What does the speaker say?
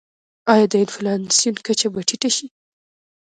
آیا د انفلاسیون کچه به ټیټه شي؟